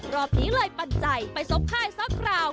รอบนี้เลยปั่นใจไปซบค่ายสักคราว